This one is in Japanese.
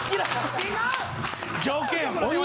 違う！